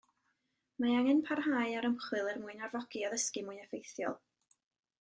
Mae angen parhau â'r ymchwil er mwyn arfogi addysgu mwy effeithiol.